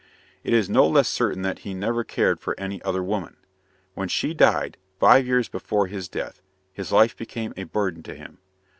It is no less certain that he never cared for any other woman. When she died, five years before his death, his life became a burden to him.